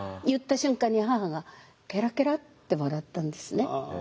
言った瞬間に母がケラケラって笑ったんですね。